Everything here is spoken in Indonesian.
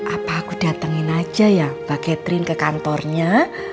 apa aku datangin aja ya mbak catherine ke kantornya